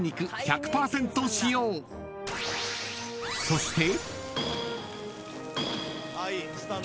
［そして］